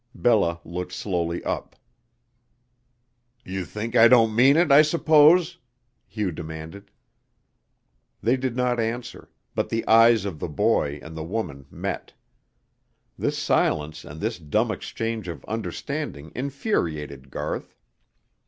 Bella looked slowly up. "You think I don't mean it, I suppose?" Hugh demanded. They did not answer, but the eyes of the boy and the woman met. This silence and this dumb exchange of understanding infuriated Garth.